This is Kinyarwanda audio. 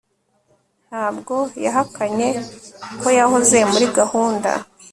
ntabwo yahakanye ko yahoze muri gahunda